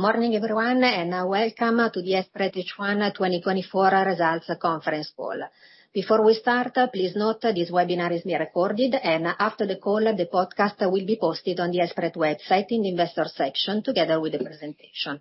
Good morning, everyone, and welcome to the Esprinet H1 2024 Results Conference Call. Before we start, please note this webinar is being recorded, and after the call, the podcast will be posted on the Esprinet website in the Investor section, together with the presentation.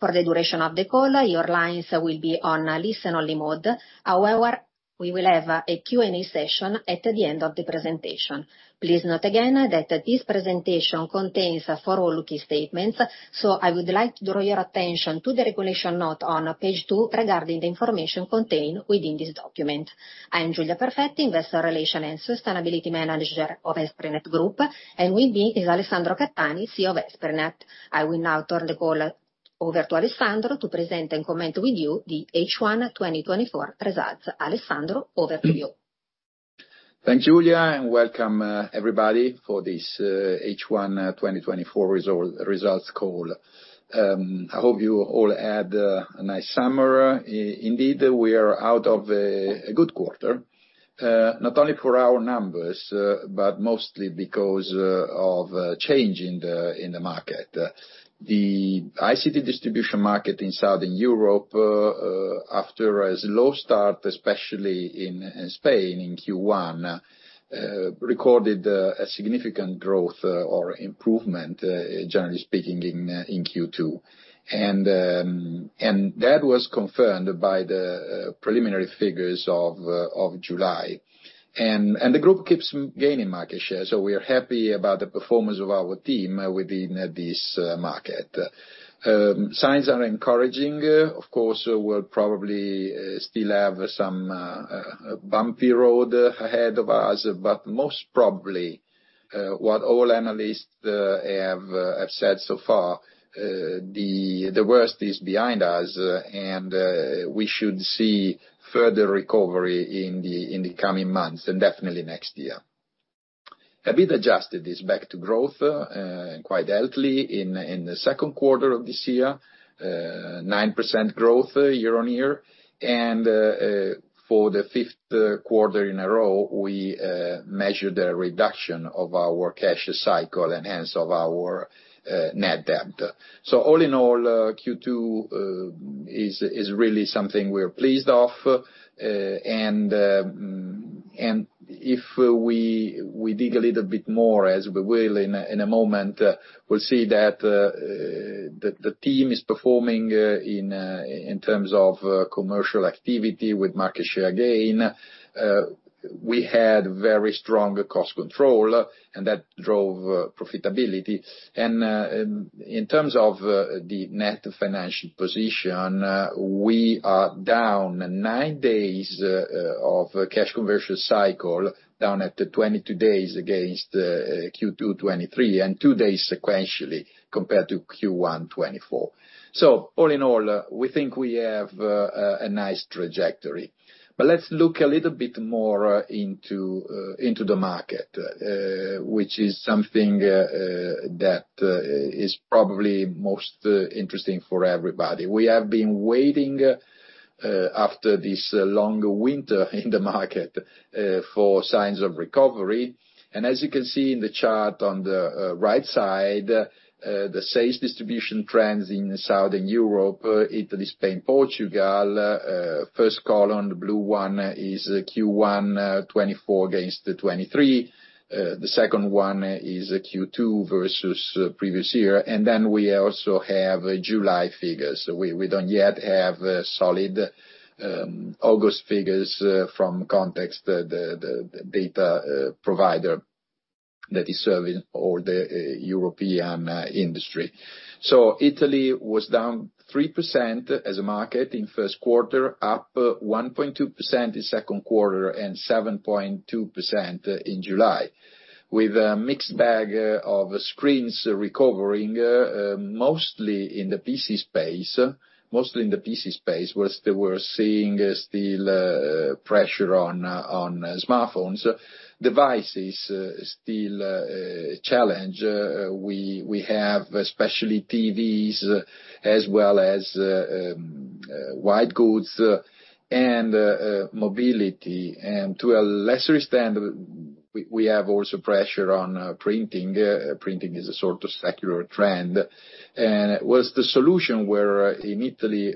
For the duration of the call, your lines will be on a listen-only mode. However, we will have a Q&A session at the end of the presentation. Please note again, that this presentation contains forward-looking statements, so I would like to draw your attention to the recognition note on page two regarding the information contained within this document. I am Giulia Perfetti, Investor Relations and Sustainability Manager of Esprinet Group, and with me is Alessandro Cattani, CEO of Esprinet. I will now turn the call over to Alessandro to present and comment with you the H1 2024 results. Alessandro, over to you. Thank you, Giulia, and welcome, everybody, for this H1 2024 results call. I hope you all had a nice summer. Indeed, we are out of a good quarter, not only for our numbers, but mostly because of change in the market. The ICT distribution market in Southern Europe, after a slow start, especially in Spain in Q1, recorded a significant growth, or improvement, generally speaking, in Q2. And that was confirmed by the preliminary figures of July. And the group keeps gaining market share, so we are happy about the performance of our team within this market. Signs are encouraging. Of course, we'll probably still have some bumpy road ahead of us, but most probably what all analysts have said so far, the worst is behind us, and we should see further recovery in the coming months, and definitely next year. EBITDA adjusted is back to growth, quite healthy in the second quarter of this year, 9% growth year-on-year, and for the fifth quarter in a row, we measured a reduction of our cash cycle, and hence of our net debt. So all in all, Q2 is really something we're pleased of, and if we dig a little bit more, as we will in a moment, we'll see that the team is performing in terms of commercial activity with market share gain. We had very strong cost control, and that drove profitability and in terms of the net financial position, we are down nine days of cash conversion cycle, down at 22 days against Q2 2023, and two days sequentially compared to Q1 2024. So all in all, we think we have a nice trajectory, but let's look a little bit more into the market, which is something that is probably most interesting for everybody. We have been waiting after this long winter in the market for signs of recovery, and as you can see in the chart on the right side the sales distribution trends in Southern Europe, Italy, Spain, Portugal first column, the blue one, is Q1 2024 against the 2023. The second one is Q2 versus previous year, and then we also have a July figures. We don't yet have solid August figures from Context, the data provider that is serving all the European industry. Italy was down 3% as a market in first quarter, up 1.2% in second quarter, and 7.2% in July, with a mixed bag of screens recovering, mostly in the PC space, while we're seeing still pressure on smartphones. Devices still challenged. We have especially TVs, as well as white goods and mobility. To a lesser extent, we have also pressure on printing. Printing is a sort of secular trend. While the solutions were in Italy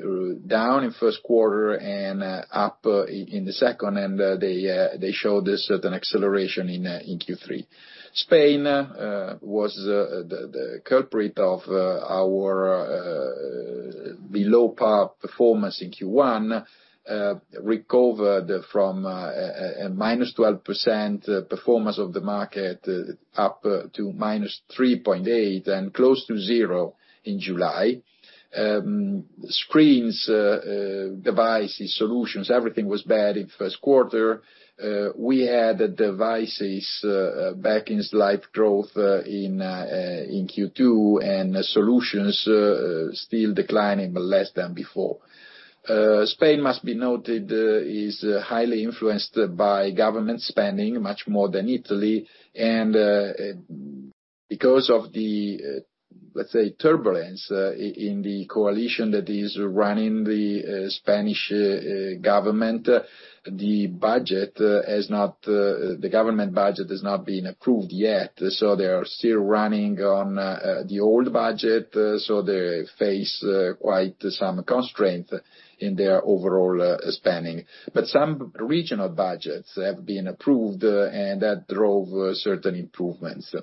down in first quarter and up in the second, they showed a certain acceleration in Q3. Spain was the culprit of our below par performance in Q1. [It] recovered from a -12% performance of the market up to minus 3.8%, and close to zero in July. Screens, devices, solutions, everything was bad in first quarter. We had devices back in slight growth in Q2, and solutions still declining, but less than before. Spain, must be noted, is highly influenced by government spending, much more than Italy, and... Because of the, let's say, turbulence in the coalition that is running the Spanish government, the government budget has not been approved yet, so they are still running on the old budget, so they face quite some constraint in their overall spending. But some regional budgets have been approved, and that drove certain improvements.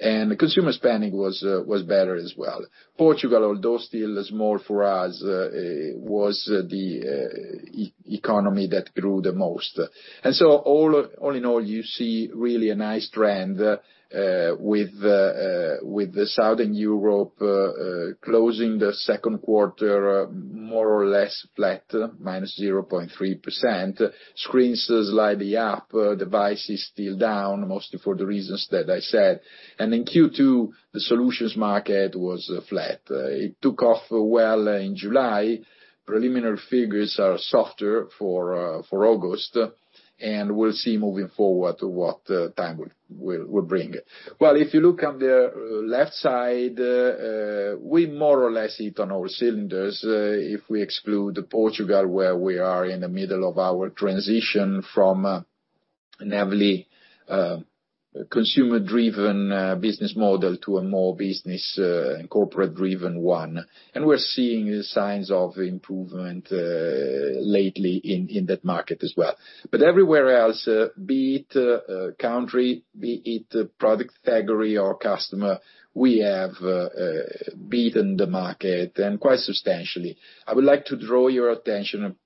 And consumer spending was better as well. Portugal, although still small for us, was the economy that grew the most. And so all in all, you see really a nice trend with the Southern Europe closing the second quarter, more or less flat, minus 0.3%, screens slightly up, devices still down, mostly for the reasons that I said. And in Q2, the solutions market was flat. It took off well in July. Preliminary figures are softer for August, and we'll see moving forward what time will bring. Well, if you look on the left side, we more or less hit on all cylinders, if we exclude Portugal, where we are in the middle of our transition from a heavily consumer-driven business model to a more business and corporate-driven one, and we're seeing signs of improvement lately in that market as well. But everywhere else, be it country, be it product category or customer, we have beaten the market, and quite substantially. I would like to draw your attention,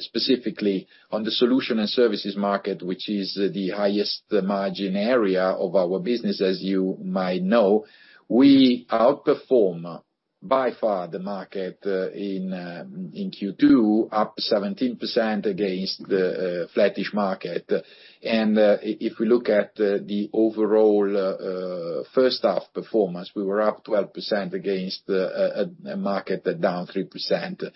specifically on the solution and services market, which is the highest margin area of our business, as you might know. We outperform, by far, the market, in Q2, up 17% against the flattish market. And, if we look at the overall first half performance, we were up 12% against a market down 3%.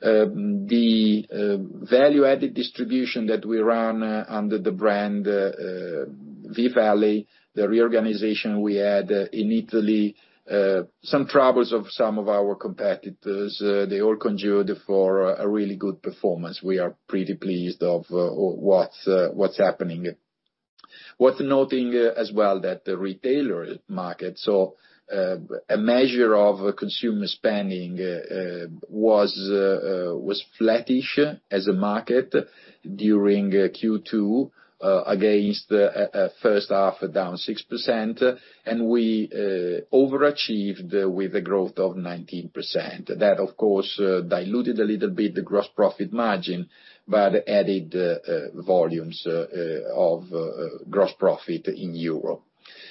The value-added distribution that we run under the brand V-Valley, the reorganization we had in Italy, some troubles of some of our competitors, they all conspired for a really good performance. We are pretty pleased of what's happening. Worth noting, as well, that the retailer market, so, a measure of consumer spending, was flattish as a market during Q2, against a first half down 6%, and we overachieved with a growth of 19%. That, of course, diluted a little bit the gross profit margin, but added volumes of gross profit in euro.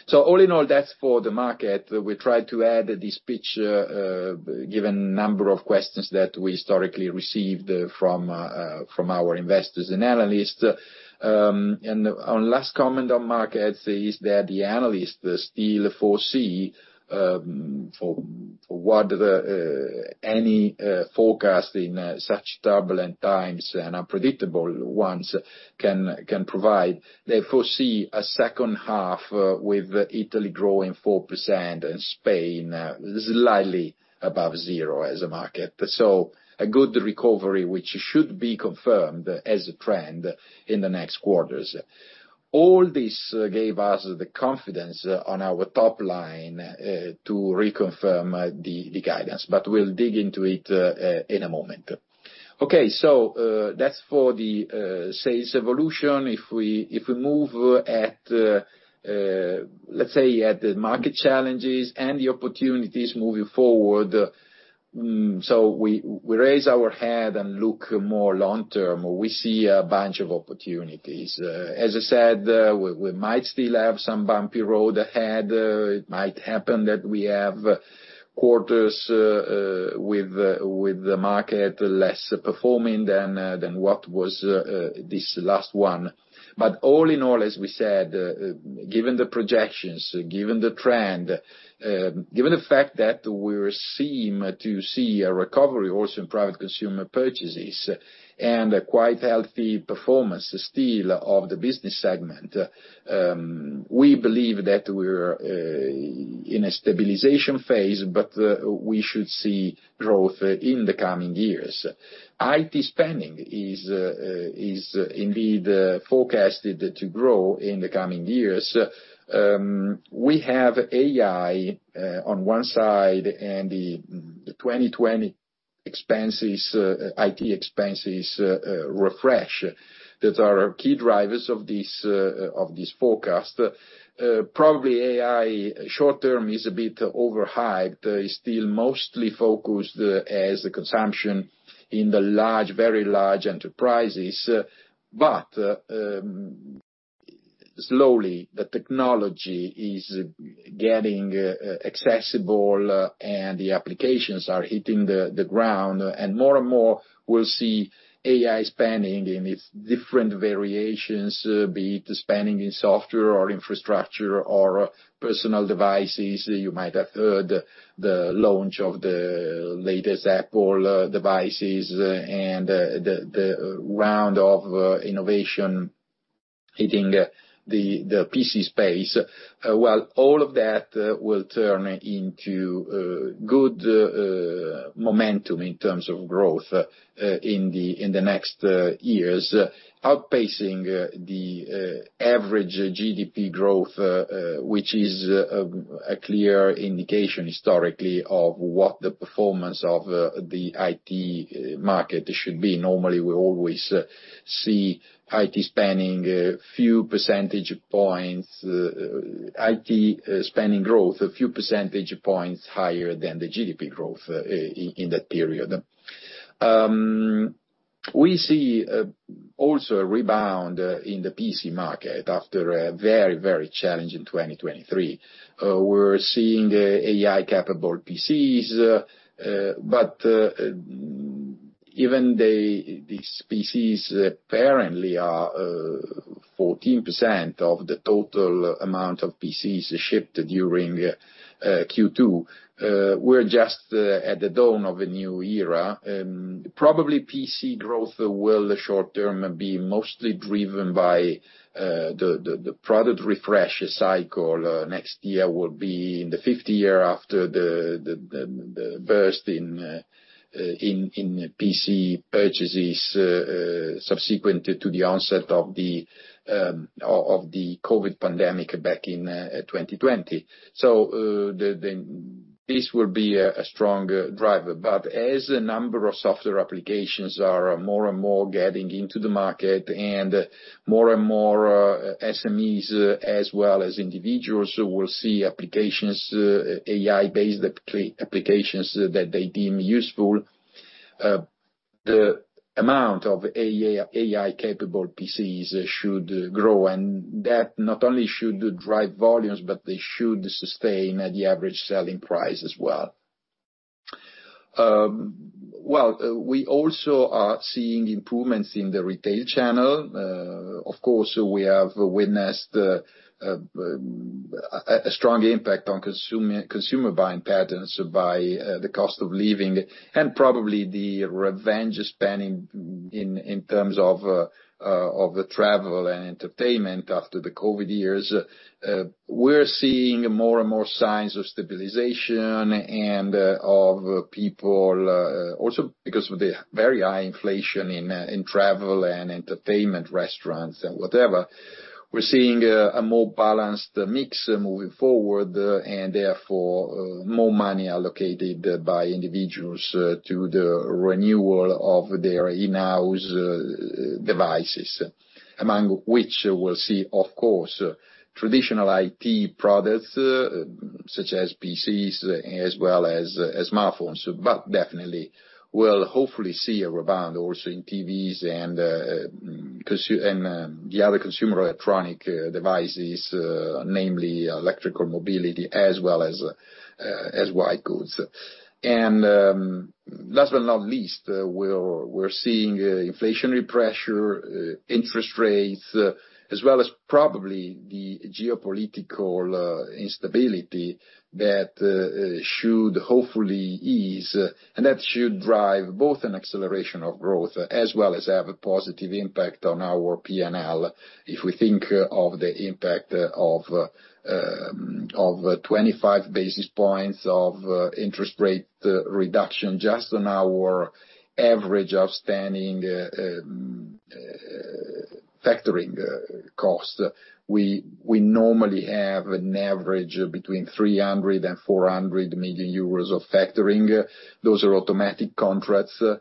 So all in all, that's for the market. We tried to add this pitch, given number of questions that we historically received, from our investors and analysts. And, one last comment on markets is that the analysts still foresee, for what any forecast in such turbulent times and unpredictable ones can provide. They foresee a second half with Italy growing 4% and Spain slightly above zero as a market, so a good recovery, which should be confirmed as a trend in the next quarters. All this gave us the confidence on our top line to reconfirm the guidance, but we'll dig into it in a moment. Okay, so that's for the sales evolution. If we move at, let's say, at the market challenges and the opportunities moving forward, so we raise our head and look more long term, we see a bunch of opportunities. As I said, we might still have some bumpy road ahead. It might happen that we have quarters with the market less performing than what was this last one. But all in all, as we said, given the projections, given the trend, given the fact that we're seem to see a recovery also in private consumer purchases, and a quite healthy performance still of the business segment, we believe that we're in a stabilization phase, but we should see growth in the coming years. IT spending is indeed forecasted to grow in the coming years. We have AI on one side, and the 2020 expenses, IT expenses refresh, that are key drivers of this forecast. Probably AI, short term, is a bit overhyped, is still mostly focused as a consumption in the large, very large enterprises. But slowly, the technology is getting accessible, and the applications are hitting the ground, and more and more, we'll see AI spending in its different variations, be it spending in software or infrastructure or personal devices. You might have heard the launch of the latest Apple devices, and the round of innovation hitting the PC space. Well, all of that will turn into good momentum in terms of growth in the next years, outpacing the average GDP growth, which is a clear indication historically of what the performance of the IT market should be. Normally, we always see IT spending, a few percentage points, IT spending growth, a few percentage points higher than the GDP growth, in that period. We see also a rebound in the PC market after a very, very challenging 2023. We're seeing AI-capable PCs, but even these PCs apparently are 14% of the total amount of PCs shipped during Q2. We're just at the dawn of a new era. Probably PC growth will short term be mostly driven by the product refresh cycle. Next year will be the fifth year after the burst in PC purchases subsequent to the onset of the COVID pandemic back in 2020, so this will be a strong driver. But as a number of software applications are more and more getting into the market, and more and more SMEs as well as individuals who will see AI-based applications that they deem useful, the amount of AI-capable PCs should grow, and that not only should drive volumes, but they should sustain the average sell-in price as well. We also are seeing improvements in the retail channel. Of course, we have witnessed a strong impact on consumer buying patterns by the cost of living and probably the revenge spending in terms of the travel and entertainment after the COVID years. We're seeing more and more signs of stabilization and of people also because of the very high inflation in travel and entertainment, restaurants, and whatever. We're seeing a more balanced mix moving forward and therefore more money allocated by individuals to the renewal of their in-house devices, among which we'll see, of course, traditional IT products such as PCs, as well as smartphones. But definitely, we'll hopefully see a rebound also in TVs and the other consumer electronic devices, namely electrical mobility as well as white goods. Last but not least, we're seeing inflationary pressure, interest rates, as well as probably the geopolitical instability that should hopefully ease, and that should drive both an acceleration of growth as well as have a positive impact on our P&L. If we think of the impact of 25 basis points of interest rate reduction, just on our average outstanding factoring cost, we normally have an average between 300 and 400 million euros of factoring. Those are automatic contracts, a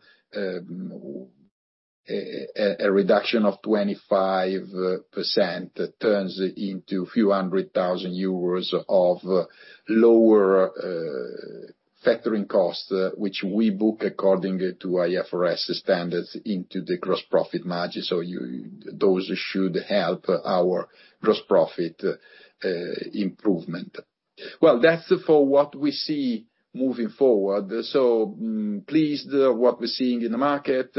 reduction of 25% turns into a few hundred thousand EUR of lower factoring costs, which we book according to IFRS standards into the gross profit margin. Those should help our gross profit improvement. That's for what we see moving forward, so pleased what we're seeing in the market.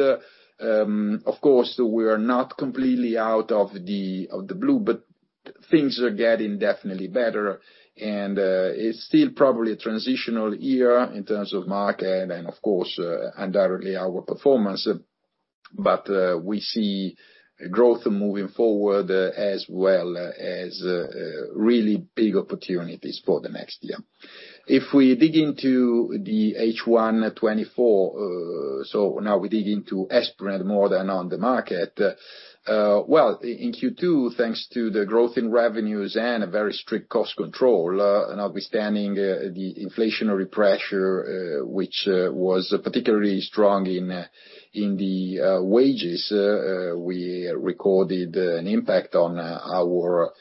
Of course, we are not completely out of the blue, but things are getting definitely better, and it's still probably a transitional year in terms of market and, of course, indirectly our performance. But we see growth moving forward as well as really big opportunities for the next year. If we dig into the H1 2024, so now we dig into Esprinet more than on the market. Well, in Q2, thanks to the growth in revenues and a very strict cost control, notwithstanding the inflationary pressure, which was particularly strong in the wages, we recorded an impact on our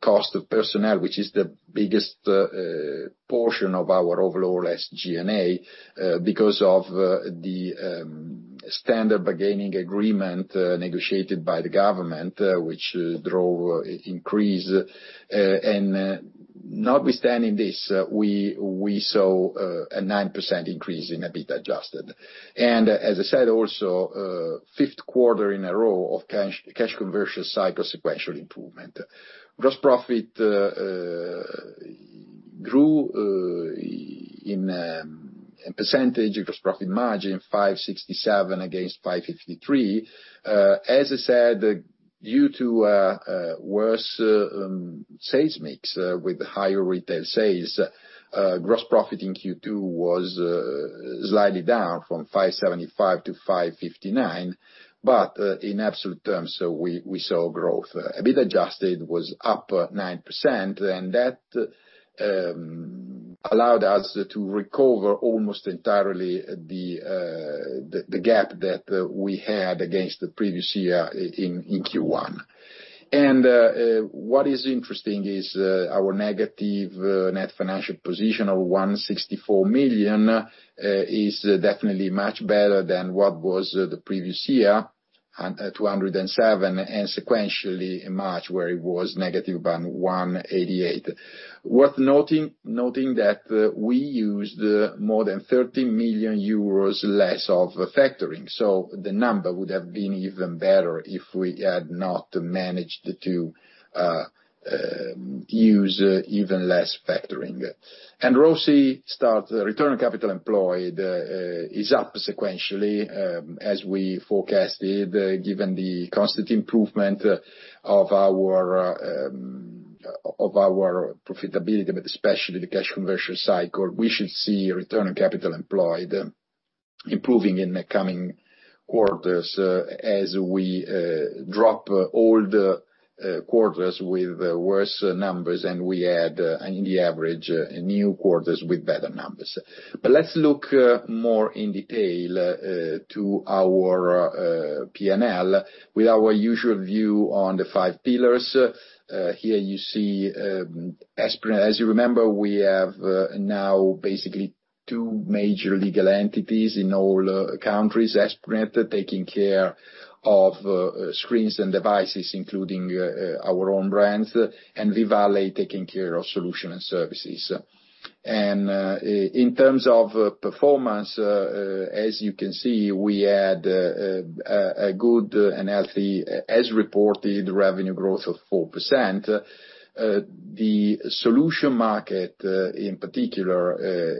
cost of personnel, which is the biggest portion of our overall SG&A, because of the standard bargaining agreement negotiated by the government, which drove increase. Notwithstanding this, we saw a 9% increase in EBITDA Adjusted. As I said, also, fifth quarter in a row of cash conversion cycle sequential improvement. Gross profit grew in percentage of gross profit margin, 5.67 against 5.53. As I said, due to worse sales mix with higher retail sales, gross profit in Q2 was slightly down from 575 to 559, but in absolute terms, we saw growth. EBITDA adjusted was up 9%, and that allowed us to recover almost entirely the gap that we had against the previous year in Q1, and what is interesting is our negative net financial position of 164 million is definitely much better than what was the previous year, at 207, and sequentially in March, where it was negative 188. Worth noting that we used more than 30 million euros less of factoring, so the number would have been even better if we had not managed to use even less factoring. ROCE, return on capital employed, is up sequentially, as we forecasted, given the constant improvement of our profitability, but especially the cash conversion cycle. We should see a return on capital employed improving in the coming quarters, as we drop all the quarters with worse numbers, and we add, in the average, new quarters with better numbers. Let's look more in detail to our P&L, with our usual view on the five pillars. Here you see Esprinet. As you remember, we have now basically two major legal entities in all countries. Esprinet taking care of screens and devices, including our own brands, and V-Valley taking care of solution and services, and in terms of performance, as you can see, we had a good and healthy, as reported, revenue growth of 4%. The solution market in particular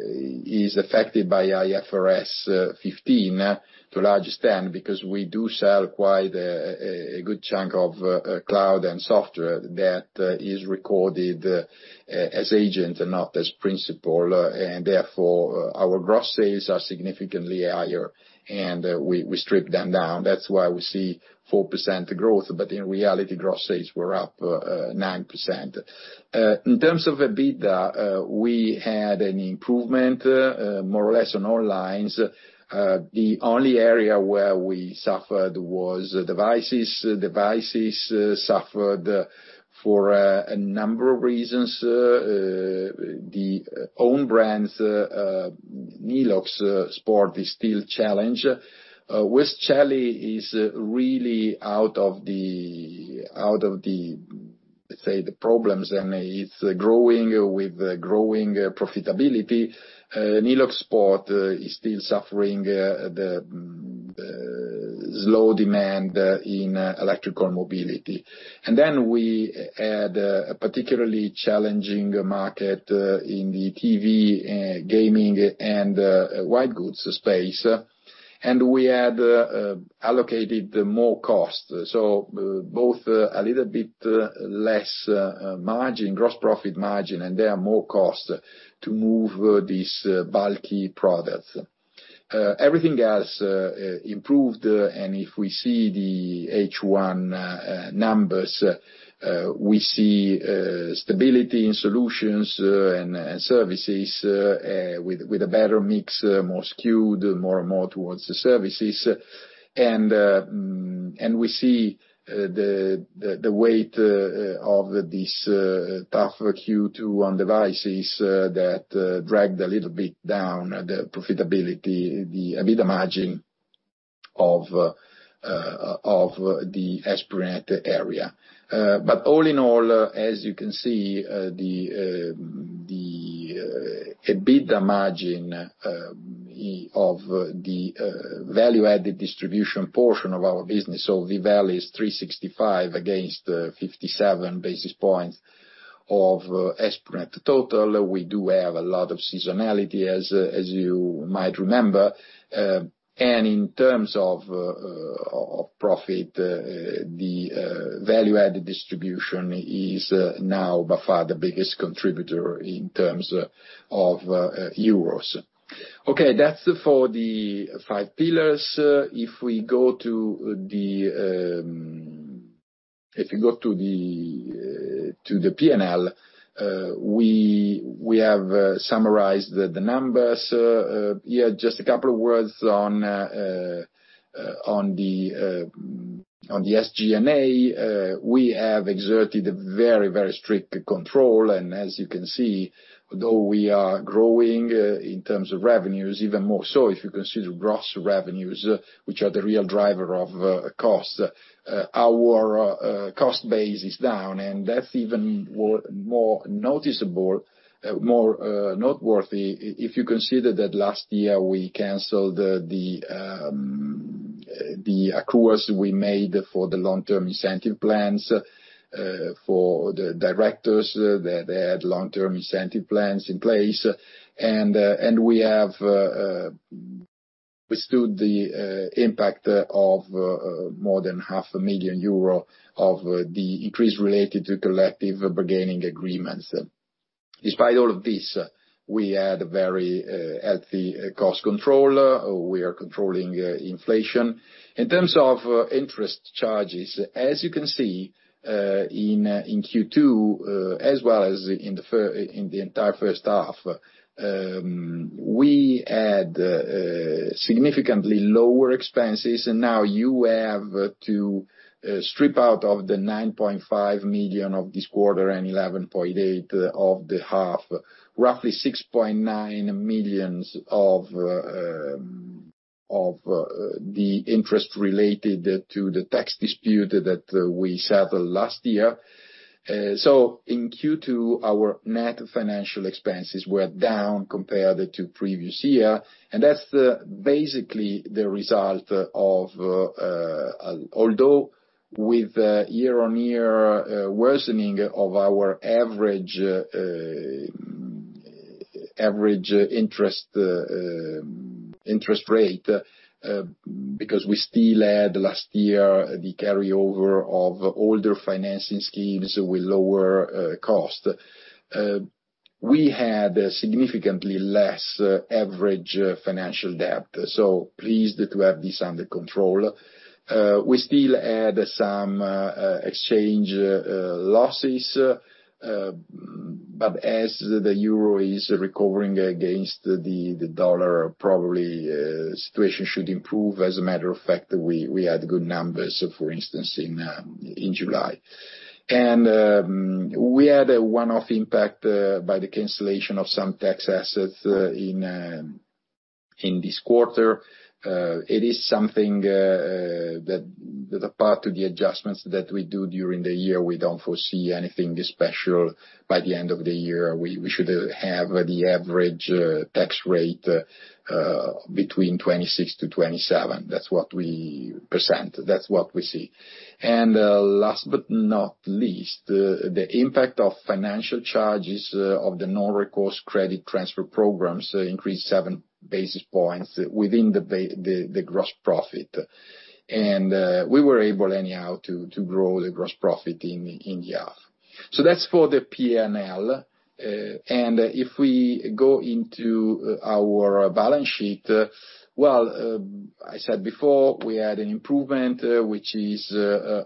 is affected by IFRS 15 to a large extent, because we do sell quite a good chunk of cloud and software that is recorded as agent and not as principal. And therefore, our gross sales are significantly higher, and we strip them down. That's why we see 4% growth. But in reality, gross sales were up 9%. In terms of EBITDA, we had an improvement more or less on all lines. The only area where we suffered was devices. Devices suffered for a number of reasons, our own brands, Nilox Sport is still challenged. V-Valley is really out of the woods, and it's growing with growing profitability. Nilox Sport is still suffering the slow demand in electrical mobility. And then we had a particularly challenging market in the TV, gaming and white goods space, and we had allocated more cost. So both a little bit less margin, gross profit margin, and there are more costs to move these bulky products. Everything else improved, and if we see the H1 numbers, we see stability in solutions and services with a better mix, more skewed more and more towards the services. And we see the weight of this tougher Q2 on devices that dragged a little bit down the profitability, the EBITDA margin of the Esprinet area. But all in all, as you can see, the EBITDA margin of the value-added distribution portion of our business, so V-Valley is 365 against 57 basis points of Esprinet total. We do have a lot of seasonality, as you might remember. And in terms of profit, the value-added distribution is now by far the biggest contributor in terms of euros. Okay, that's for the five pillars. If you go to the P&L, we have summarized the numbers. Yeah, just a couple of words on the SG&A. We have exerted a very, very strict control, and as you can see, though we are growing in terms of revenues, even more so if you consider gross revenues, which are the real driver of costs, our cost base is down, and that's even more noticeable, more noteworthy if you consider that last year we canceled the... The accruals we made for the long-term incentive plans for the directors, they had long-term incentive plans in place. And we have withstood the impact of more than 500,000 euro of the increase related to collective bargaining agreements. Despite all of this, we had a very healthy cost control. We are controlling inflation. In terms of interest charges, as you can see, in Q2 as well as in the entire first half, we had significantly lower expenses. And now you have to strip out of the 9.5 million of this quarter and 11.8 million of the half, roughly 6.9 million of the interest related to the tax dispute that we settled last year. So in Q2, our net financial expenses were down compared to previous year, and that's basically the result of, although with year-on-year worsening of our average interest rate, because we still had last year the carryover of older financing schemes with lower cost. We had significantly less average financial debt, so pleased to have this under control. We still had some exchange losses, but as the euro is recovering against the dollar, probably situation should improve. As a matter of fact, we had good numbers, for instance, in July. We had a one-off impact by the cancellation of some tax assets in this quarter. It is something that the part of the adjustments that we do during the year. We don't foresee anything special by the end of the year. We should have the average tax rate between 26-27%. That's what we see. Last but not least, the impact of financial charges of the non-recourse credit transfer programs increased seven basis points within the gross profit. We were able anyhow to grow the gross profit in the half. That's for the PNL. If we go into our balance sheet, well, I said before, we had an improvement which is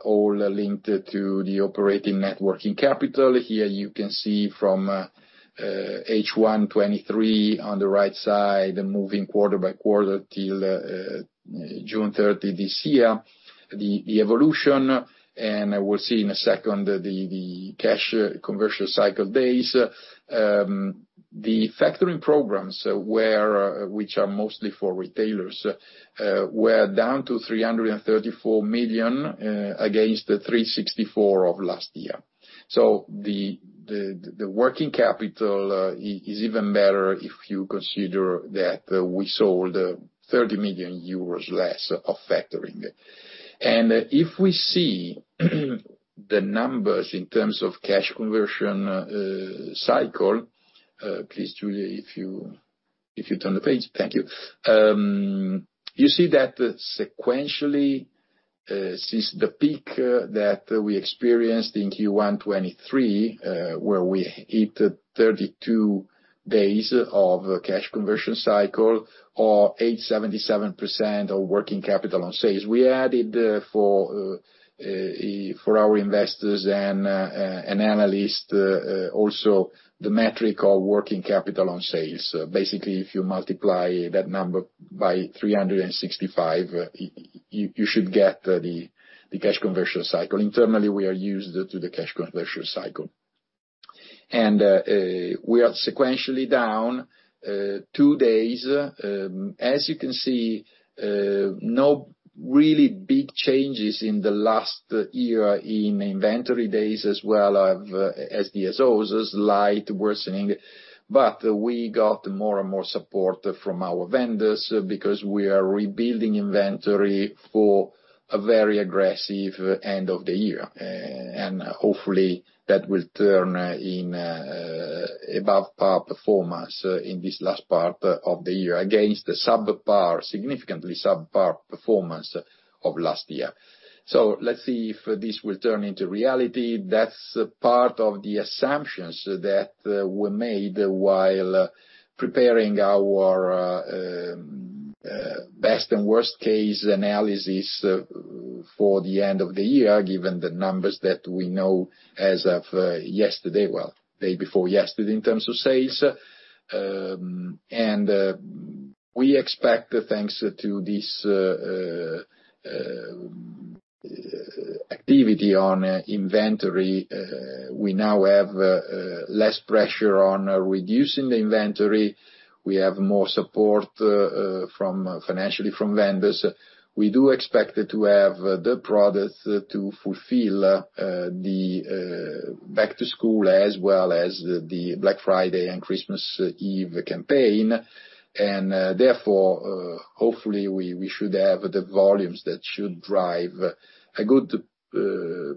all linked to the operating net working capital. Here you can see from H1 2023 on the right side, moving quarter by quarter till June 30 this year, the evolution, and we'll see in a second the cash conversion cycle days. The factoring programs, which are mostly for retailers, were down to 334 million against the 364 million of last year. So the working capital is even better if you consider that we sold 30 million euros less of factoring. And if we see the numbers in terms of cash conversion cycle, please, Giulia, if you turn the page. Thank you. You see that sequentially, since the peak that we experienced in Q1 2023, where we hit 32 days of cash conversion cycle or 877% of working capital on sales, we added for our investors and analysts also the metric of working capital on sales. Basically, if you multiply that number by 365, you should get the cash conversion cycle. Internally, we are used to the cash conversion cycle. We are sequentially down two days. As you can see, no really big changes in the last year in inventory days as well as DSOs, a slight worsening. But we got more and more support from our vendors, because we are rebuilding inventory for a very aggressive end of the year. And hopefully, that will turn in above par performance in this last part of the year, against the subpar, significantly subpar performance of last year. So let's see if this will turn into reality. That's part of the assumptions that were made while preparing our best and worst case analysis for the end of the year, given the numbers that we know as of yesterday, well, day before yesterday, in terms of sales. And we expect, thanks to this activity on inventory, we now have less pressure on reducing the inventory. We have more support from, financially from vendors. We do expect to have the products to fulfill the back to school, as well as the Black Friday and Christmas Eve campaign. and, therefore, hopefully we should have the volumes that should drive a good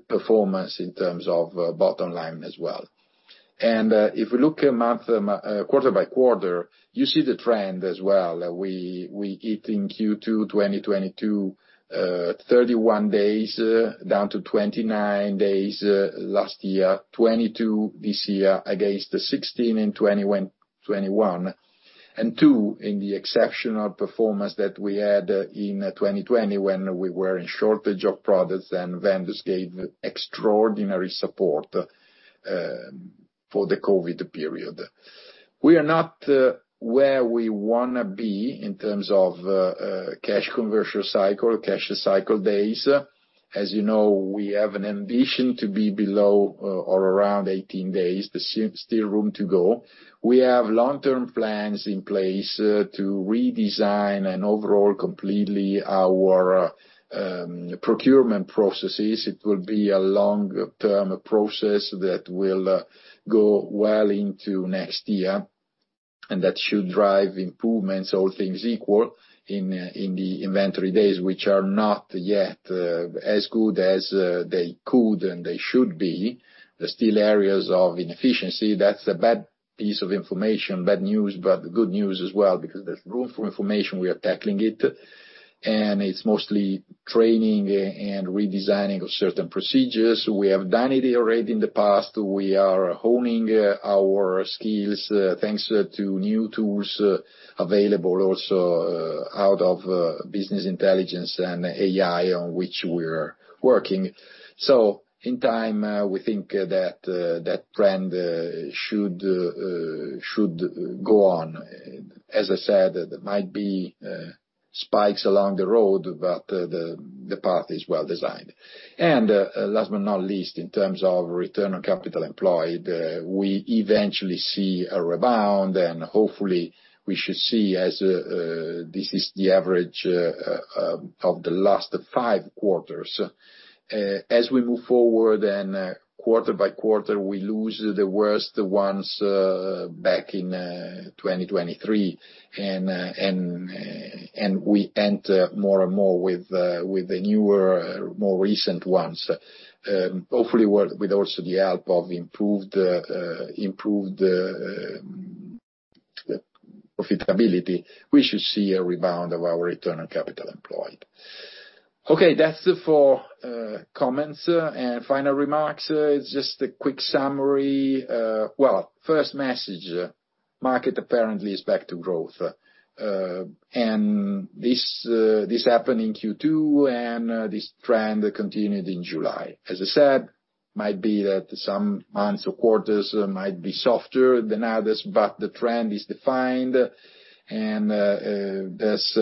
performance in terms of bottom line as well. And, if we look at month, quarter by quarter, you see the trend as well, we hit in Q2 2022, 31 days, down to 29 days, last year, 22 this year, against the 16 in 2021. And, too, in the exceptional performance that we had in 2020 when we were in shortage of products, and vendors gave extraordinary support, for the COVID period. We are not where we wanna be in terms of cash conversion cycle, cash cycle days. As you know, we have an ambition to be below or around 18 days. There's still room to go. We have long-term plans in place to redesign and overhaul completely our procurement processes. It will be a long-term process that will go well into next year, and that should drive improvements, all things equal, in the inventory days, which are not yet as good as they could and they should be. There's still areas of inefficiency. That's a bad piece of information, bad news, but good news as well, because there's room for improvement, we are tackling it, and it's mostly training and redesigning of certain procedures. We have done it already in the past. We are honing our skills thanks to new tools available also out of business intelligence and AI, on which we are working. So in time we think that that trend should go on. As I said, there might be spikes along the road, but the path is well-designed. And last but not least, in terms of Return on Capital Employed, we eventually see a rebound, and hopefully we should see as this is the average of the last five quarters. As we move forward and quarter by quarter, we lose the worst ones back in 2023, and we enter more and more with the newer, more recent ones. Hopefully, with also the help of improved profitability, we should see a rebound of our Return on Capital Employed. Okay, that's it for comments. And final remarks, it's just a quick summary. Well, first message, market apparently is back to growth. And this happened in Q2, and this trend continued in July. As I said, might be that some months or quarters might be softer than others, but the trend is defined, and there's,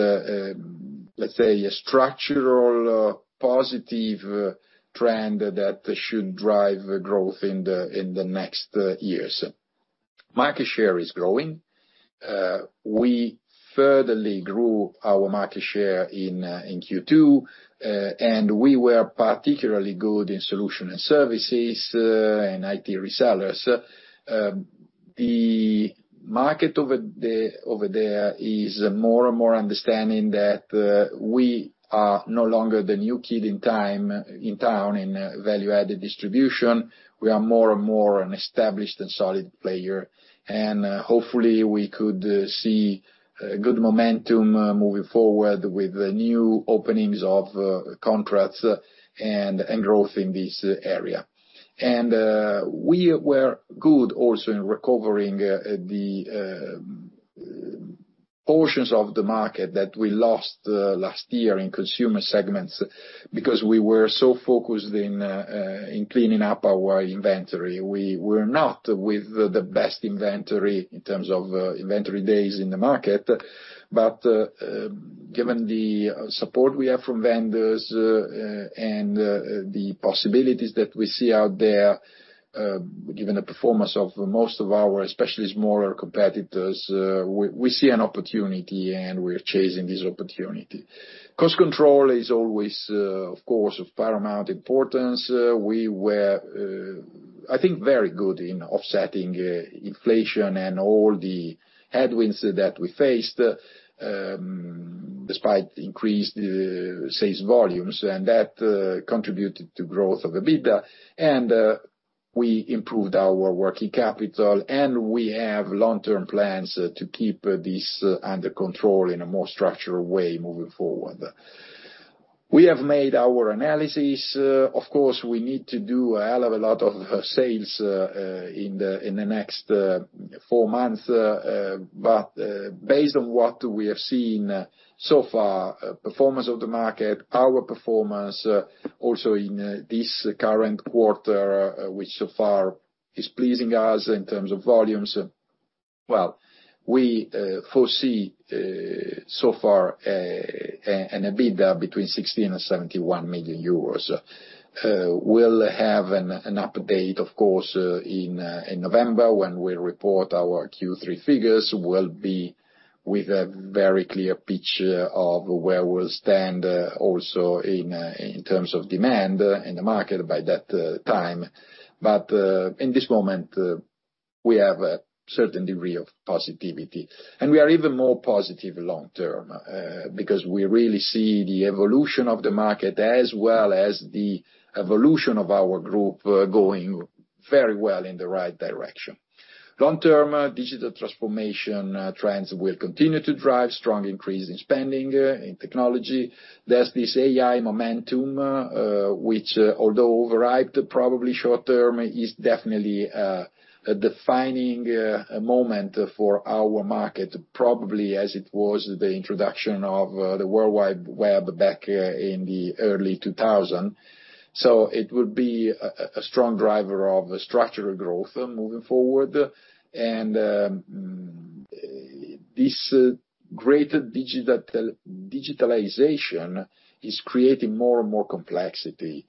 let's say, a structural positive trend that should drive growth in the next years. Market share is growing. We further grew our market share in Q2, and we were particularly good in solution and services, and IT resellers. The market over there is more and more understanding that we are no longer the new kid on the block in value-added distribution. We are more and more an established and solid player, and, hopefully, we could see a good momentum moving forward with the new openings of contracts and growth in this area, and we were good also in recovering the portions of the market that we lost last year in consumer segments, because we were so focused in cleaning up our inventory. We were not with the best inventory in terms of inventory days in the market, but, given the support we have from vendors and the possibilities that we see out there, given the performance of most of our, especially smaller competitors, we see an opportunity, and we're chasing this opportunity. Cost control is always, of course, of paramount importance. We were, I think, very good in offsetting inflation and all the headwinds that we faced, despite increased sales volumes, and that contributed to growth of the EBITDA, and we improved our working capital, and we have long-term plans to keep this under control in a more structural way moving forward. We have made our analysis. Of course, we need to do a hell of a lot of sales in the next four months, but based on what we have seen so far, performance of the market, our performance also in this current quarter, which so far is pleasing us in terms of volumes, well, we foresee so far an EBITDA between 60 million EUR and 71 million euros. We'll have an update, of course, in November when we report our Q3 figures. We'll be with a very clear picture of where we stand, also in terms of demand in the market by that time. But in this moment we have a certain degree of positivity, and we are even more positive long term, because we really see the evolution of the market, as well as the evolution of our group, going very well in the right direction. Long-term, digital transformation trends will continue to drive strong increase in spending in technology. There's this AI momentum, which, although overripe, probably short term, is definitely a defining moment for our market, probably as it was the introduction of the World Wide Web back in the early 2000. So it would be a strong driver of structural growth moving forward. And this greater digitalization is creating more and more complexity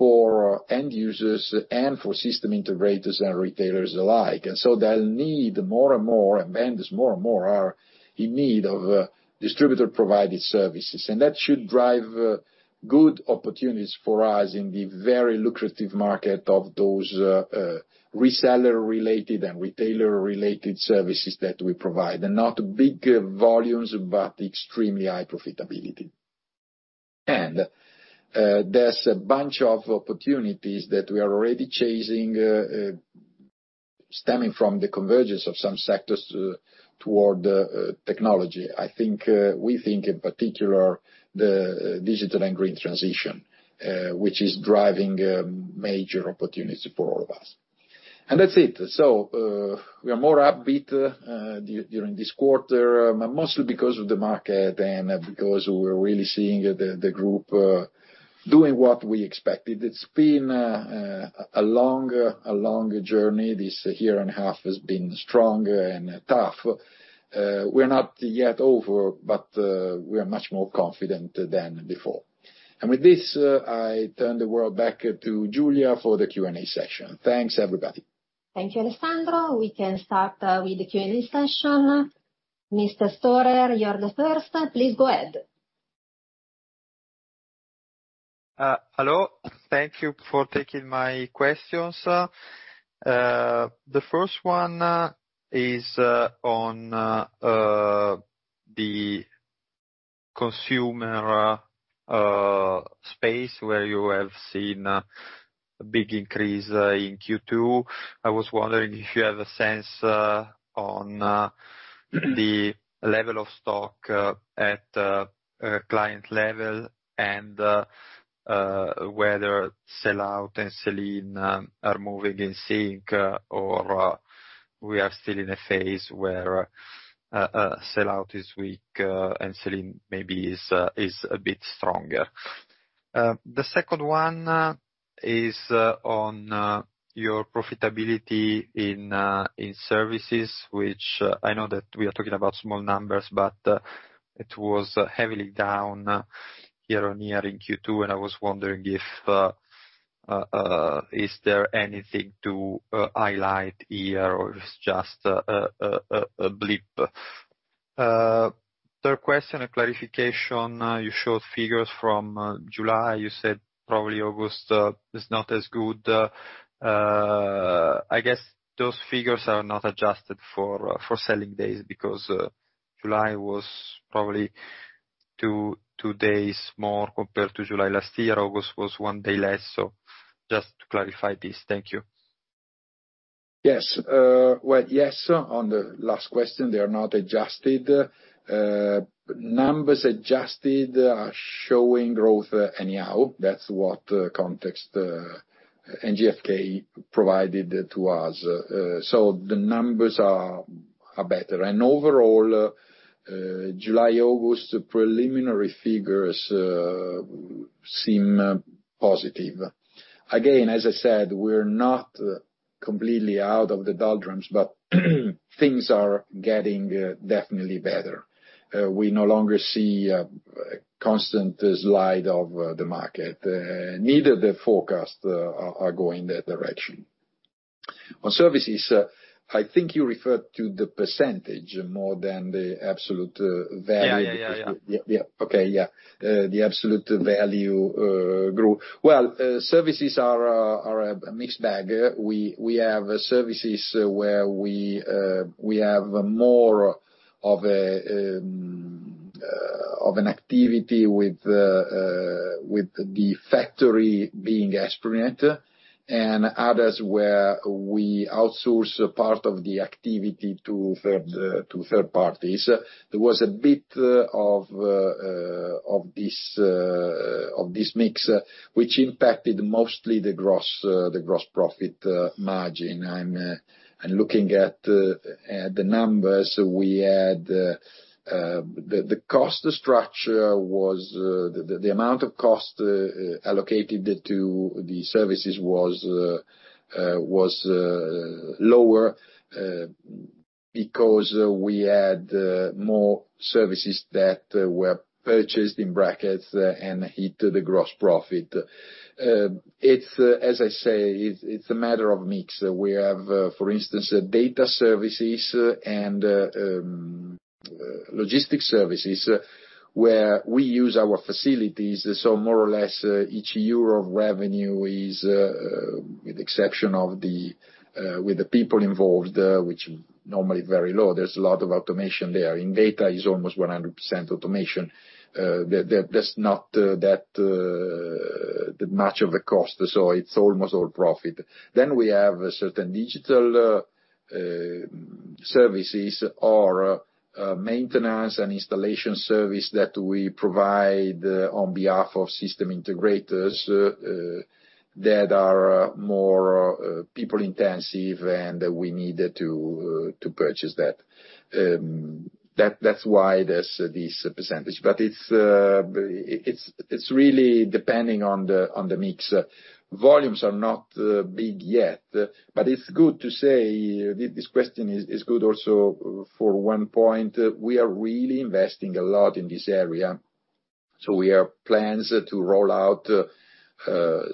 for end users and for system integrators and retailers alike. And so they'll need more and more, and vendors more and more are in need of distributor-provided services. And that should drive good opportunities for us in the very lucrative market of those reseller-related and retailer-related services that we provide. Not big volumes, but extremely high profitability. And there's a bunch of opportunities that we are already chasing stemming from the convergence of some sectors toward technology. I think we think, in particular, the digital and green transition, which is driving major opportunities for all of us. And that's it. So, we are more upbeat during this quarter, mostly because of the market and because we're really seeing the group doing what we expected. It's been a long journey. This year and a half has been strong and tough. We're not yet over, but we are much more confident than before. And with this, I turn the floor back to Giulia for the Q&A session. Thanks, everybody. Thank you, Alessandro. We can start with the Q&A session. Mr. Storer, you're the first. Please go ahead. Hello. Thank you for taking my questions. The first one is on the consumer space, where you have seen a big increase in Q2. I was wondering if you have a sense on the level of stock at a client level, and whether sell out and selling are moving in sync, or we are still in a phase where sell out is weak, and selling maybe is a bit stronger. The second one is on your profitability in services, which I know that we are talking about small numbers, but it was heavily down year-on-year in Q2, and I was wondering if is there anything to highlight here, or it's just a blip? Third question, a clarification. You showed figures from July. You said probably August is not as good. I guess those figures are not adjusted for selling days, because July was probably two days more compared to July last year. August was one day less, so just to clarify this. Thank you. Yes. Well, yes, on the last question, they are not adjusted. Numbers adjusted are showing growth anyhow. That's what Context, GfK provided to us, so the numbers are better. And overall, July, August, preliminary figures seem positive. Again, as I said, we're not completely out of the doldrums, but things are getting definitely better. We no longer see a constant slide of the market. Neither the forecast are going that direction. On services, I think you referred to the percentage more than the absolute value. Yeah, yeah, yeah. Yeah. Okay, yeah, the absolute value grew. Well, services are a mixed bag. We have services where we have more of an activity with the factoring being Esprinet, and others, where we outsource part of the activity to third parties. There was a bit of this mix, which impacted mostly the gross profit margin. I'm looking at the numbers. We had... The cost structure was the amount of cost allocated to the services was lower, because we had more services that were purchased, in brackets, and hit the gross profit. It's, as I say, a matter of mix. We have, for instance, data services and logistics services, where we use our facilities, so more or less, each euro of revenue is, with the exception of the people involved, which normally very low, there's a lot of automation there. In data is almost 100% automation. There's not that much of a cost, so it's almost all profit. Then we have a certain digital services or maintenance and installation service that we provide on behalf of system integrators that are more people intensive, and we needed to purchase that. That's why there's this percentage, but it's really depending on the mix. Volumes are not big yet, but it's good to say, this question is good also for one point. We are really investing a lot in this area, so we have plans to roll out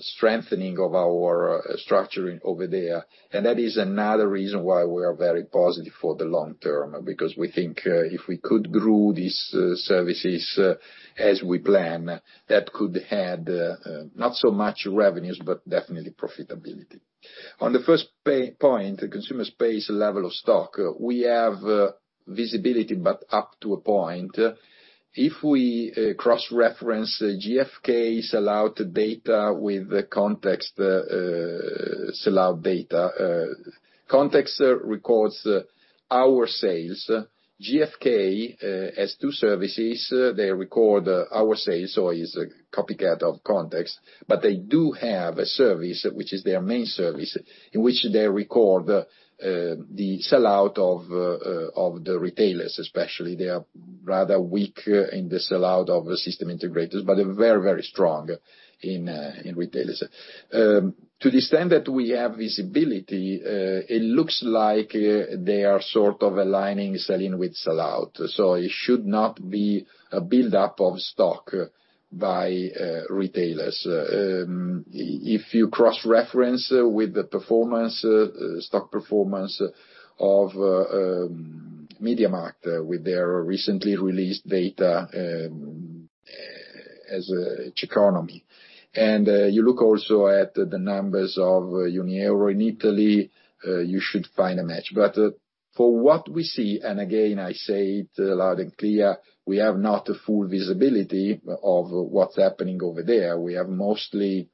strengthening of our structuring over there. That is another reason why we are very positive for the long term, because we think if we could grow these services as we plan, that could add not so much revenues, but definitely profitability. On the first point, the consumer space level of stock, we have visibility, but up to a point. If we cross-reference GfK sellout data with the Context sellout data, Context records our sales. GfK has two services. They record our sales, so is a copycat of CONTEXT, but they do have a service, which is their main service, in which they record the sellout of the retailers, especially. They are rather weak in the sellout of the system integrators, but they're very, very strong in retailers. To the extent that we have visibility, it looks like they are sort of aligning sell-in with sellout, so it should not be a buildup of stock by retailers. If you cross-reference with the performance, stock performance of MediaMarkt with their recently released data, as economy, and you look also at the numbers of Unieuro in Italy, you should find a match. For what we see, and again, I say it loud and clear, we have not a full visibility of what's happening over there. We have mostly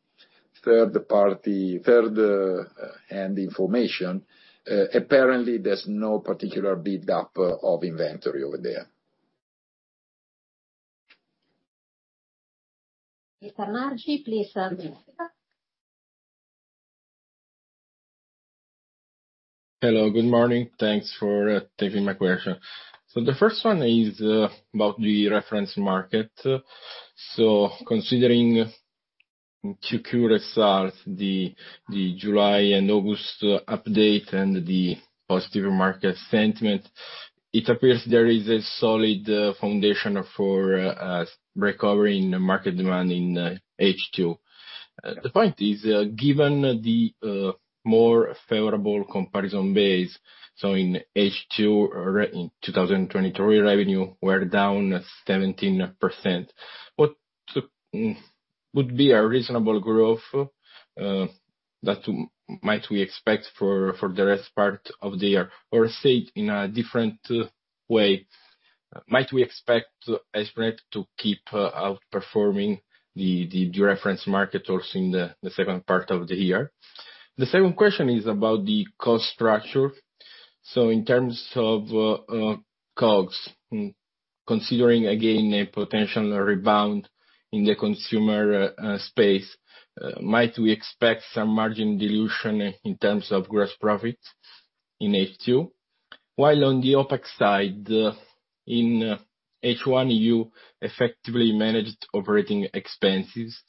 third-party, third-hand information. Apparently, there's no particular build up of inventory over there. Mr. Nargi, please unmute. Hello, good morning. Thanks for taking my question. So the first one is about the reference market. So considering Q2 results, the July and August update, and the positive market sentiment, it appears there is a solid foundation for recovery in market demand in H2. The point is, given the more favorable comparison base, so in H2, or in two thousand and twenty-three, revenue were down 17%. What would be a reasonable growth that might we expect for the rest part of the year? Or say it in a different way, might we expect Esprinet to keep outperforming the reference market also in the second part of the year? The second question is about the cost structure. In terms of costs, considering again a potential rebound in the consumer space, might we expect some margin dilution in terms of gross profits in H2? While on the OpEx side in H1, you effectively managed operating expenses,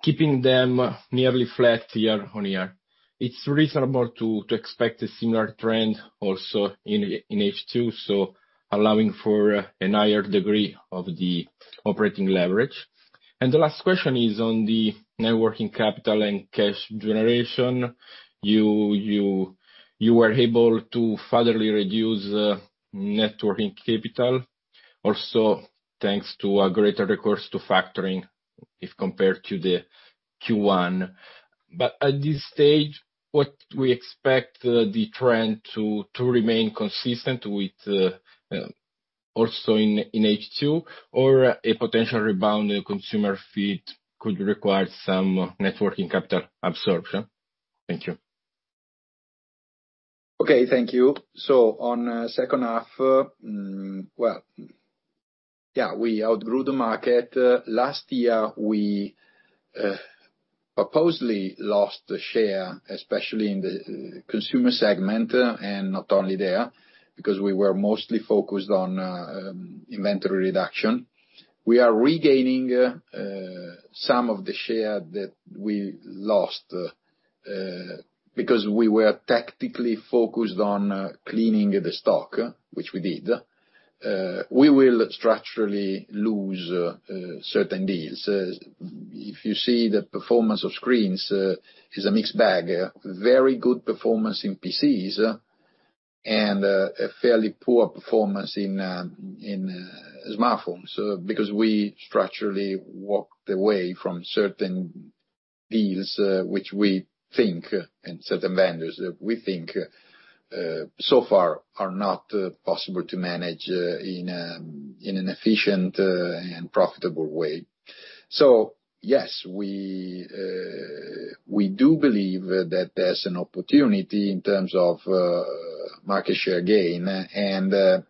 keeping them nearly flat year-on-year. It's reasonable to expect a similar trend also in H2, so allowing for a higher degree of the operating leverage. The last question is on the net working capital and cash generation. You were able to further reduce net working capital, also thanks to a greater recourse to factoring if compared to the Q1. But at this stage, what we expect the trend to remain consistent with also in H2, or a potential rebound in consumer field could require some net working capital absorption? Thank you. Okay, thank you. So on second half, well, yeah, we outgrew the market. Last year, we supposedly lost the share, especially in the consumer segment, and not only there, because we were mostly focused on inventory reduction. We are regaining some of the share that we lost because we were tactically focused on cleaning the stock, which we did. We will structurally lose certain deals. If you see the performance of screens is a mixed bag. Very good performance in PCs and a fairly poor performance in smartphones because we structurally walked away from certain deals, which we think, and certain vendors, that we think so far are not possible to manage in an efficient and profitable way. So yes, we do believe that there's an opportunity in terms of market share gain. And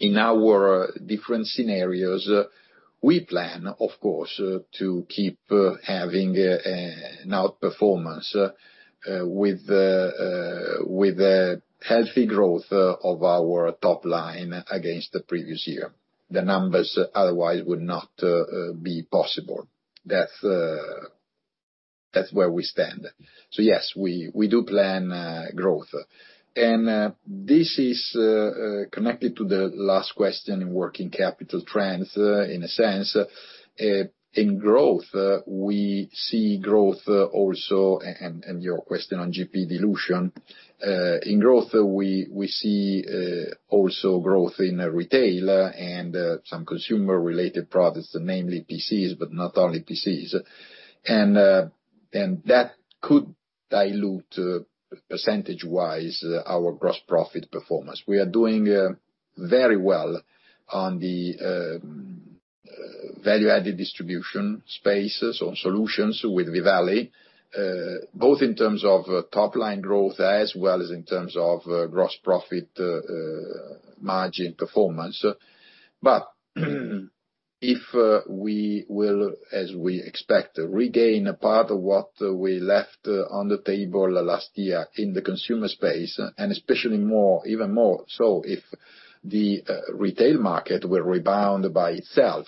in our different scenarios, we plan, of course, to keep having an outperformance with the healthy growth of our top line against the previous year. The numbers otherwise would not be possible. That's where we stand. So yes, we do plan growth. And this is connected to the last question in working capital trends, in a sense. In growth, we see growth also, and your question on GP dilution. In growth, we see also growth in retail and some consumer-related products, namely PCs, but not only PCs. And that could dilute, percentage-wise, our gross profit performance. We are doing very well on the value-added distribution spaces or solutions with V-Valley, both in terms of top-line growth, as well as in terms of gross profit margin performance. But if we will, as we expect, regain a part of what we left on the table last year in the consumer space, and especially more, even more so, if the retail market will rebound by itself,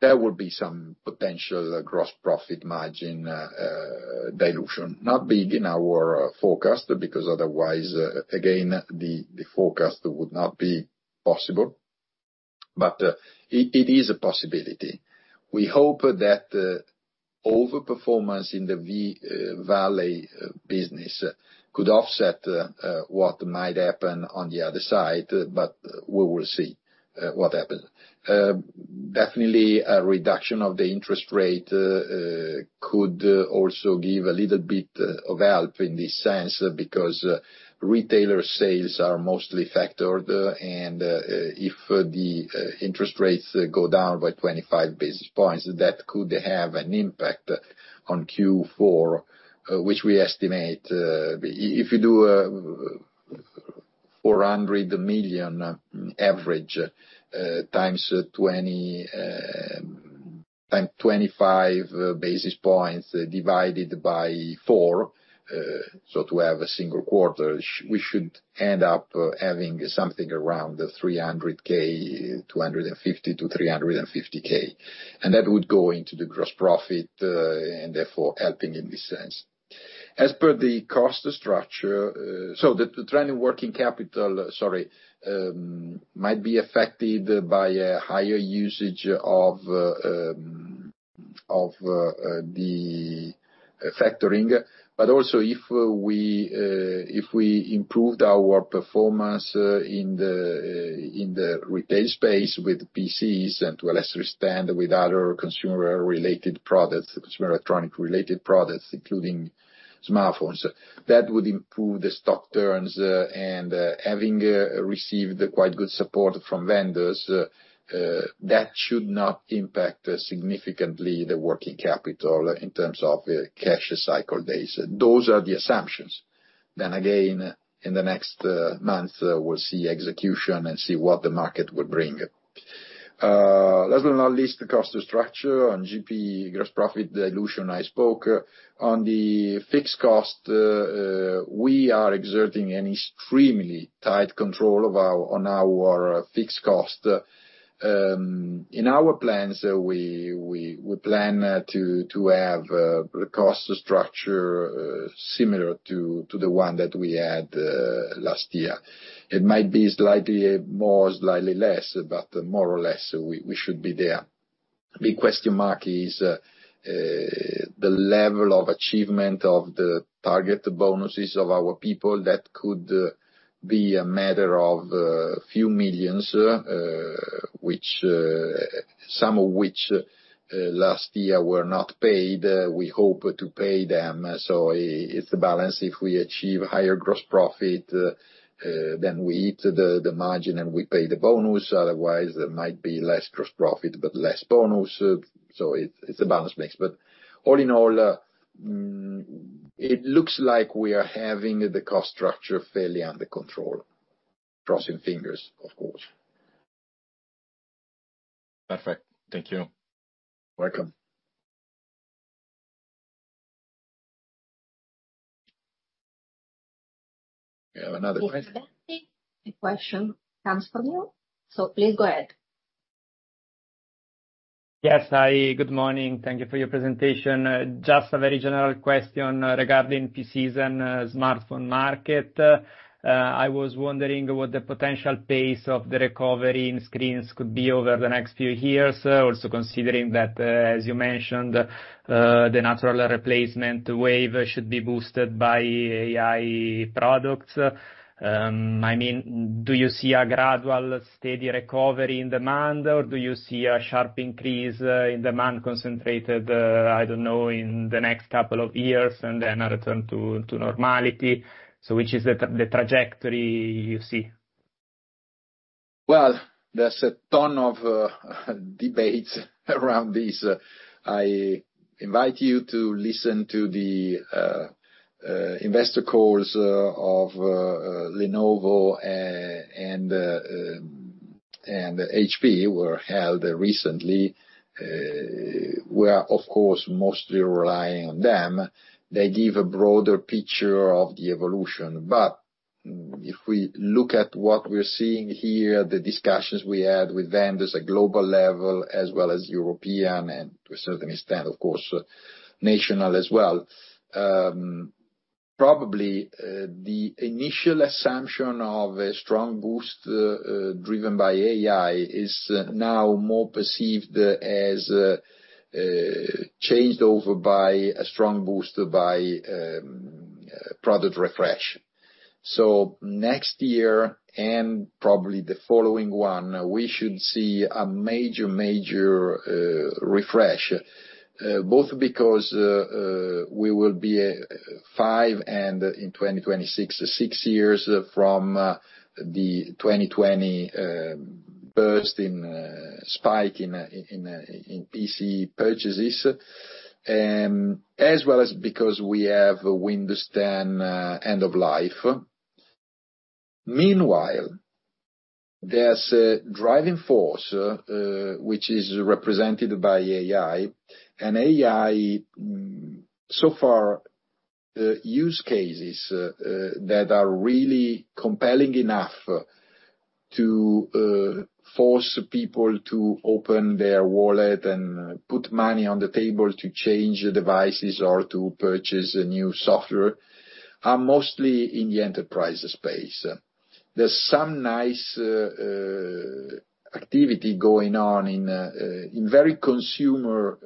there will be some potential gross profit margin dilution. Not big in our forecast, because otherwise, again, the forecast would not be possible, but it is a possibility. We hope that overperformance in the V-Valley business could offset what might happen on the other side, but we will see what happens. Definitely, a reduction of the interest rate could also give a little bit of help in this sense, because retailer sales are mostly factored. And if the interest rates go down by 25 basis points, that could have an impact on Q4, which we estimate. If you do 400 million average times 20 times 25 basis points, divided by four, so to have a single quarter, we should end up having something around 300K, 250K-350K. And that would go into the gross profit and therefore helping in this sense. As per the cost structure. So the trend in working capital, sorry, might be affected by a higher usage of the factoring, but also if we improved our performance in the retail space with PCs, and to a lesser extent, with other consumer-related products, consumer electronic-related products, including smartphones, that would improve the stock turns. And having received quite good support from vendors, that should not impact significantly the working capital in terms of cash cycle days. Those are the assumptions. Then again, in the next month, we'll see execution and see what the market will bring. Last but not least, the cost structure. On GP, gross profit dilution, I spoke. On the fixed cost, we are exerting an extremely tight control of our, on our fixed cost. In our plans, we plan to have the cost structure similar to the one that we had last year. It might be slightly more, slightly less, but more or less, we should be there. The big question mark is the level of achievement of the target bonuses of our people. That could be a matter of few millions, which some of which last year were not paid. We hope to pay them, so it's a balance. If we achieve higher gross profit, then we eat the margin, and we pay the bonus. Otherwise, there might be less gross profit, but less bonus. So it's a balance mix. But all in all, it looks like we are having the cost structure fairly under control. Crossing fingers, of course. Perfect. Thank you. Welcome. We have another question? The question comes from you, so please go ahead. ... Yes, hi, good morning. Thank you for your presentation. Just a very general question regarding PCs and smartphone market. I was wondering what the potential pace of the recovery in screens could be over the next few years, also considering that, as you mentioned, the natural replacement wave should be boosted by AI products. I mean, do you see a gradual, steady recovery in demand, or do you see a sharp increase in demand concentrated, I don't know, in the next couple of years and then a return to normality? So which is the trajectory you see? Well, there's a ton of debates around this. I invite you to listen to the investor calls of Lenovo and HP were held recently. We are, of course, mostly relying on them. They give a broader picture of the evolution. But if we look at what we're seeing here, the discussions we had with them, there's a global level as well as European and to a certain extent, of course, national as well. Probably, the initial assumption of a strong boost driven by AI is now more perceived as changed over by a strong boost by product refresh. So next year, and probably the following one, we should see a major, major refresh, both because we will be five, and in 2026 six years from the 2020 burst in spike in PC purchases, as well as because we have Windows 10 end of life. Meanwhile, there's a driving force, which is represented by AI. And AI, so far, use cases that are really compelling enough to force people to open their wallet and put money on the table to change the devices or to purchase a new software, are mostly in the enterprise space. There's some nice activity going on in very consumer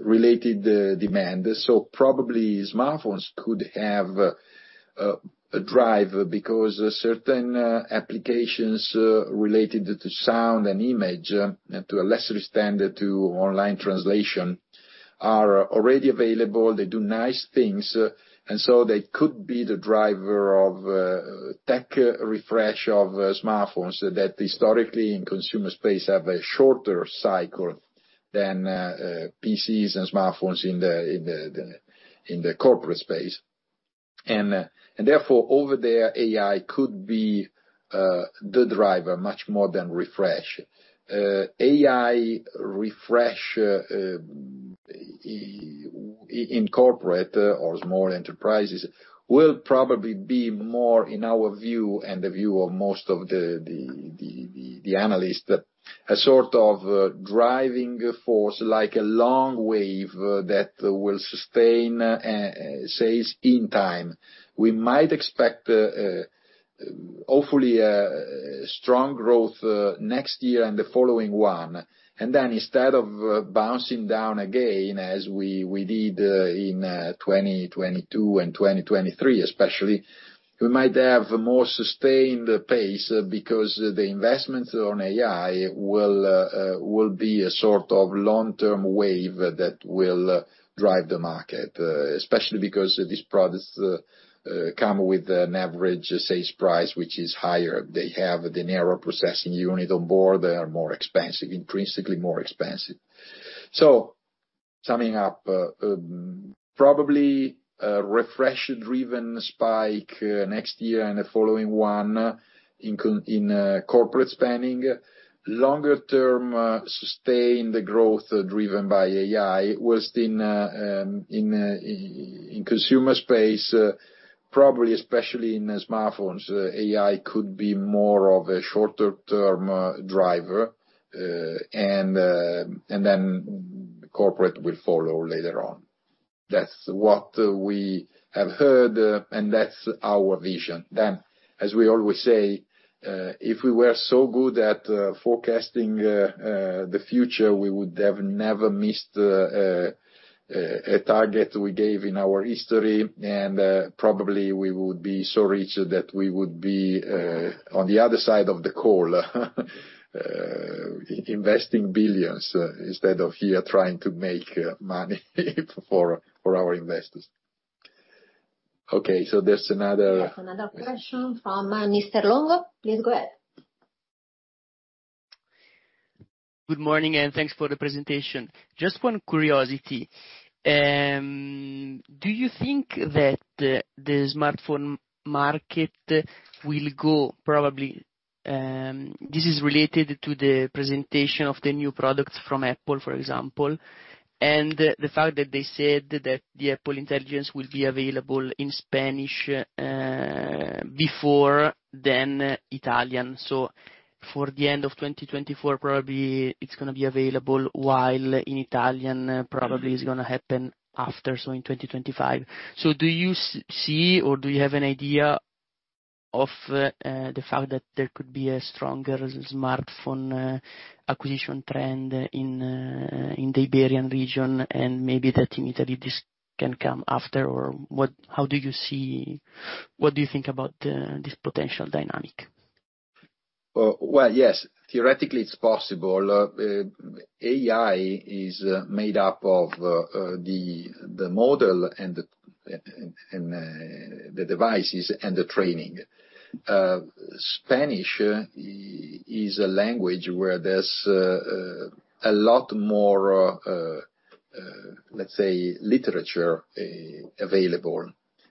related demand. Probably smartphones could have a drive because certain applications related to sound and image, and to a lesser standard to online translation, are already available. They do nice things, and so they could be the driver of tech refresh of smartphones, that historically in consumer space have a shorter cycle than PCs and smartphones in the corporate space. And therefore, over there, AI could be the driver much more than refresh. AI refresh in corporate or small enterprises will probably be more, in our view, and the view of most of the analysts, a sort of driving force, like a long wave, that will sustain sales in time. We might expect, hopefully, strong growth next year and the following one. And then instead of bouncing down again, as we did in 2022 and 2023 especially, we might have a more sustained pace, because the investments on AI will be a sort of long-term wave that will drive the market, especially because these products come with an average sales price, which is higher. They have the Neural Processing Unit on board. They are more expensive, intrinsically more expensive. So summing up, probably a refresh-driven spike next year and the following one in corporate spending. Longer-term, sustained growth driven by AI while in consumer space, probably, especially in smartphones, AI could be more of a shorter-term driver, and then corporate will follow later on. That's what we have heard, and that's our vision. Then, as we always say, if we were so good at forecasting the future, we would have never missed a target we gave in our history, and probably we would be so rich that we would be on the other side of the call, investing billions, instead of here trying to make money for our investors. Okay, so there's another- Yes, another question from Mr. Longo. Please go ahead. Good morning, and thanks for the presentation. Just one curiosity, do you think that the smartphone market will go probably this is related to the presentation of the new products from Apple, for example, and the fact that they said that the Apple Intelligence will be available in Spanish before than Italian. So for the end of twenty twenty-four, probably it's gonna be available, while in Italian, probably it's gonna happen after, so in twenty twenty-five. So do you see, or do you have an idea of the fact that there could be a stronger smartphone acquisition trend in the Iberian region, and maybe that in Italy, this can come after? Or what how do you see what do you think about this potential dynamic? Well, yes, theoretically, it's possible. AI is made up of the model and the devices and the training. Spanish is a language where there's a lot more, let's say, literature available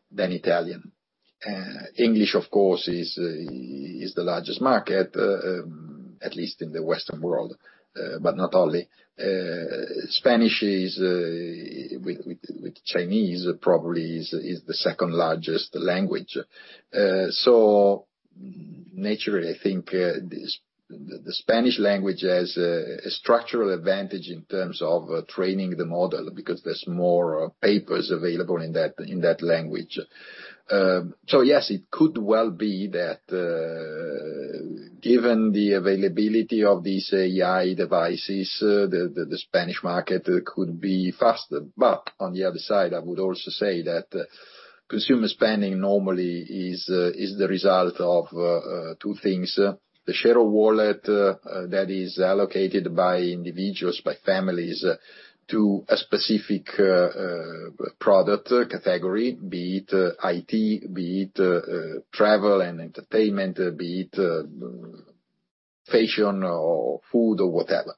than Italian. English, of course, is the largest market, at least in the Western world, but not only. Spanish, with Chinese, probably is the second largest language. So naturally, I think, the Spanish language has a structural advantage in terms of training the model, because there's more papers available in that language. So yes, it could well be that, given the availability of these AI devices, the Spanish market could be faster. But on the other side, I would also say that consumer spending normally is the result of two things: the share of wallet that is allocated by individuals, by families, to a specific product category, be it IT, be it travel and entertainment, be it fashion or food or whatever.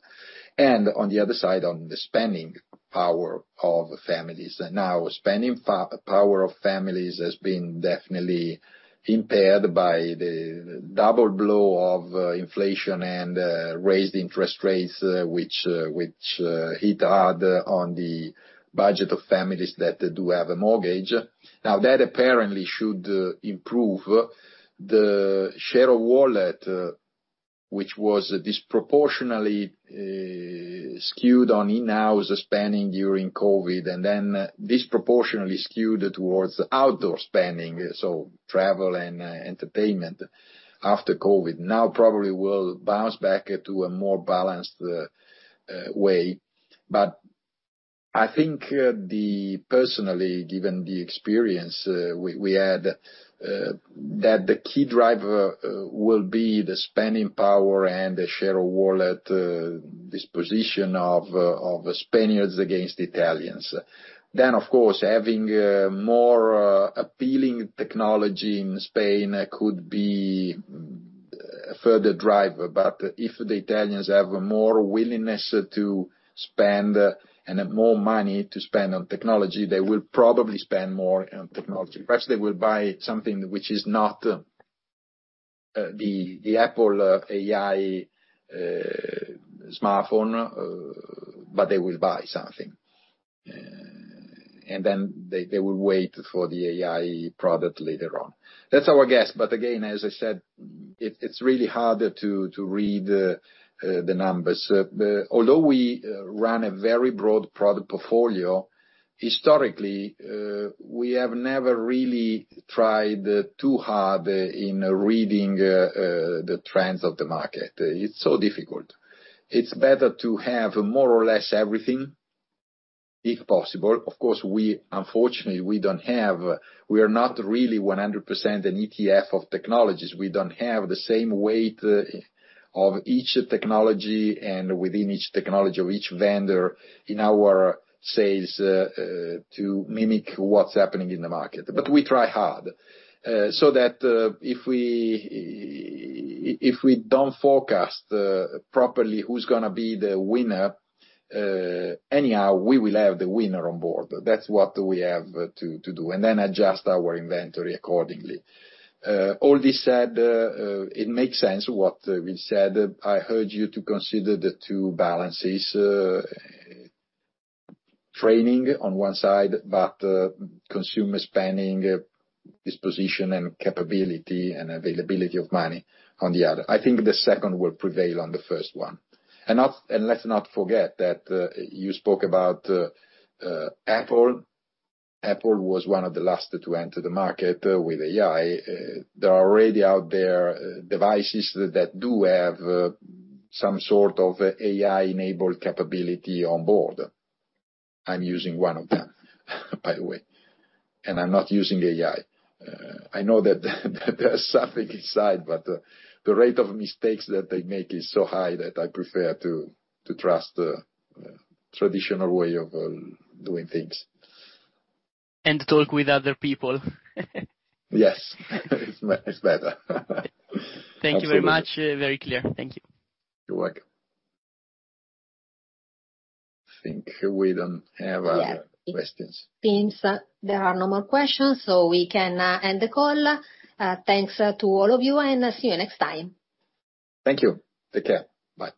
And on the other side, on the spending power of families. Now, spending power of families has been definitely impaired by the double blow of inflation and raised interest rates, which hit hard on the budget of families that do have a mortgage. Now, that apparently should improve the share of wallet, which was disproportionately skewed on in-house spending during COVID, and then disproportionately skewed towards outdoor spending, so travel and entertainment, after COVID. Now, probably will bounce back to a more balanced way. But I think, personally, given the experience we had, that the key driver will be the spending power and the share of wallet disposition of Spaniards against Italians. Then, of course, having more appealing technology in Spain could be a further driver, but if the Italians have more willingness to spend, and more money to spend on technology, they will probably spend more on technology. Perhaps they will buy something which is not the Apple AI smartphone, but they will buy something. And then they will wait for the AI product later on. That's our guess, but again, as I said, it's really hard to read the numbers. Although we run a very broad product portfolio, historically, we have never really tried too hard in reading the trends of the market. It's so difficult. It's better to have more or less everything, if possible. Of course, unfortunately, we are not really 100% an ETF of technologies. We don't have the same weight of each technology, and within each technology, of each vendor, in our sales to mimic what's happening in the market, but we try hard so that if we don't forecast properly who's gonna be the winner, anyhow, we will have the winner on board. That's what we have to do, and then adjust our inventory accordingly. All this said, it makes sense, what we said. I urge you to consider the two balances, training on one side, but, consumer spending, disposition and capability and availability of money on the other. I think the second will prevail on the first one. Let's not forget that you spoke about Apple. Apple was one of the last to enter the market with AI. There are already out there devices that do have some sort of AI-enabled capability on board. I'm using one of them, by the way, and I'm not using AI. I know that there's something inside, but the rate of mistakes that they make is so high that I prefer to trust the traditional way of doing things. Talk with other people. Yes. It's better. Thank you very much. Absolutely. Very clear. Thank you. You're welcome. I think we don't have other questions. Yes, it seems there are no more questions, so we can end the call. Thanks to all of you, and I'll see you next time. Thank you. Take care. Bye.